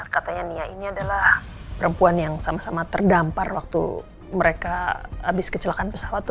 katanya nia ini adalah perempuan yang sama sama terdampar waktu mereka habis kecelakaan pesawat